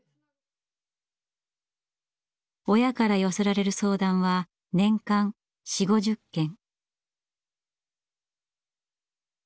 親から寄せられる相談は年間４０５０件。